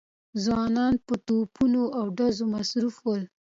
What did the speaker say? ځوانان په توپونو او ډزو مصروف ول.